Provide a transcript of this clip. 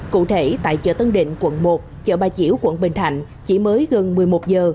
cụ thể tại chợ tân định quận một chợ ba chiểu quận bình thạnh chỉ mới gần một mươi một giờ